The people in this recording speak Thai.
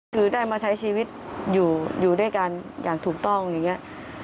คือได้มาใช้ชีวิตอยู่ด้วยกันอย่างถูกต้องอย่างนี้